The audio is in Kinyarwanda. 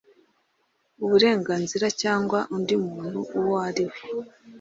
uburenganzira cyangwa undi umuntu uwo ariwe